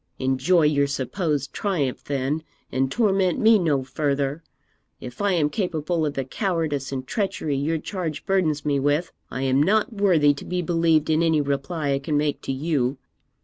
Enjoy your supposed triumph, then, and torment me no further. If I am capable of the cowardice and treachery your charge burdens me with, I am not worthy to be believed in any reply I can make to you.